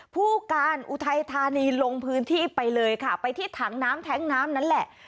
ผู้การอุทัยธานีลงพื้นที่ไปเลยค่ะไปที่ถังน้ำแท้งน้ำนั่นแหละ